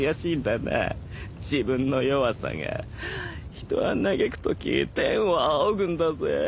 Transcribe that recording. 人は嘆くとき天を仰ぐんだぜ。